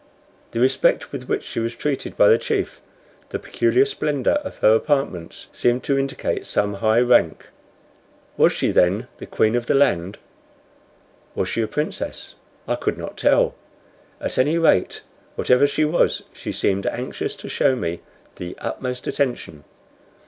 The respect with which she was treated by the chief, the peculiar splendor of her apartments, seemed to indicate some high rank. Was she, then, the queen of the land? Was she a princess? I could not tell. At any rate, whatever she was, she seemed anxious to show me the utmost attention.